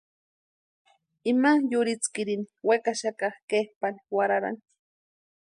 Ima yurhitskirini wekaxaka kepʼani warharani.